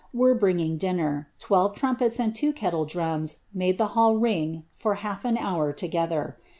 were bringing dinner, twelve trumpets and two kellle drums nuuf the hall ring for half an hour together.